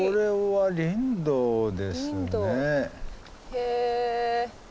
へえ。